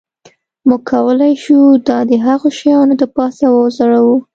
موږ کولی شو دا د هغو شیانو د پاسه وځړوو